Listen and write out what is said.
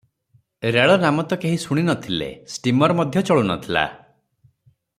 ରେଳ ନାମ ତ କେହି ଶୁଣି ନ ଥିଲେ, ଷ୍ଟୀମର ମଧ୍ୟ ଚଳୁନଥିଲା ।